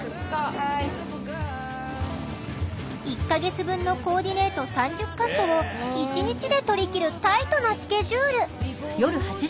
１か月分のコーディネート３０カットを一日で撮りきるタイトなスケジュール。